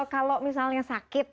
kalau misalnya sakit